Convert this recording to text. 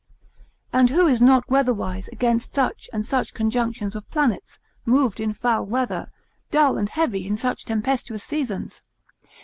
And who is not weather wise against such and such conjunctions of planets, moved in foul weather, dull and heavy in such tempestuous seasons?